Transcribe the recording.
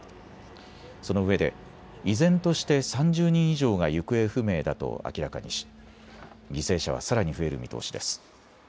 そのうえで依然として３０人以上が行方不明だと明らかにし犠牲者はさらに増える見通しです。